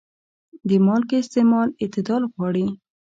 د مالګې استعمال اعتدال غواړي.